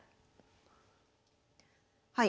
はい。